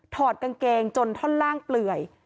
อดกางเกงจนท่อนล่างเปลื่อย